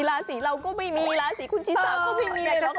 ราศีเราก็ไม่มีราศีคุณชิสาก็ไม่มีหรอกค่ะ